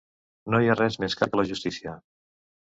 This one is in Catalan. No hi ha res més car que la justícia.